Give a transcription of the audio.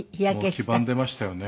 もう黄ばんでいましたよね。